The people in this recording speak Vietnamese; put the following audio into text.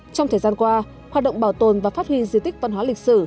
trong thời gian qua hoạt động bảo tồn và phát huy di tích văn hóa lịch sử